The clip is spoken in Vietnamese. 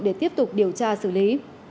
để tiếp tục điều tra xử lý